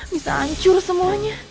bisa hancur semuanya